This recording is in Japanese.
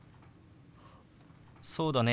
そうだね